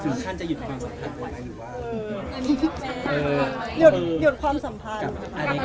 สิงขั้นจะหยุดความสัมพันธ์กันหรือว่า